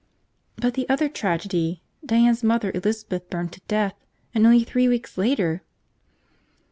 "But the other tragedy – Diane's mother Elizabeth burned to death. And only three weeks later!"